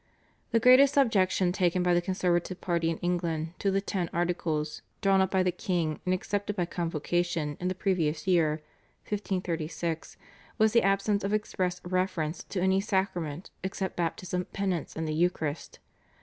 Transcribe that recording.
The greatest objection taken by the conservative party in England to the /Ten Articles/, drawn up by the king and accepted by Convocation in the previous year (1536), was the absence of express reference to any Sacrament except Baptism, Penance, and the Eucharist.